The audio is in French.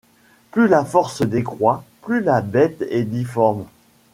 Plus la force décroît, plus la bête est difforme ;